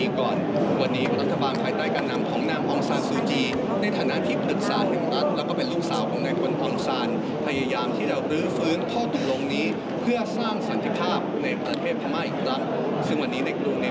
ก็มีกลุ่มชาติภัณฑ์หลายกลุ่มเดินทางมาทางนี้